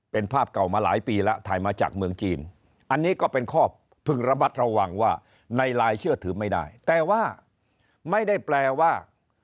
เป็นภาพเก่ามาหลายปีแล้วถ่ายมาจากเมืองจีนอันนี้ก็เป็นข้อพึงระมัดระวังว่าในไลน์เชื่อถือไม่ได้แต่ว่าไม่ได้แปลว่า